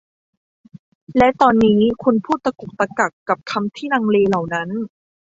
และตอนนี้คุณพูดตะกุกตะกักกับคำที่ลังเลเหล่านั้น